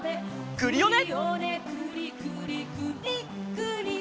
クリオネ！